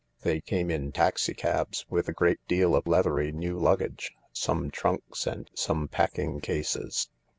They came in taxi cabs, with a great deal of leathery new luggage — some trunks and some packing cases.